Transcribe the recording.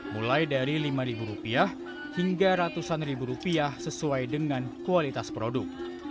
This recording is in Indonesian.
mulai dari lima rupiah hingga ratusan ribu rupiah sesuai dengan kualitas produk